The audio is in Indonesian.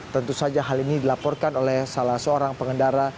tentu saja hal ini dilaporkan oleh salah seorang pengendara